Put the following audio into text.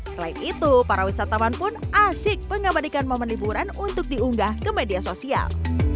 selain itu para wisatawan pun asik mengabadikan momen liburan untuk diunggah ke media sosial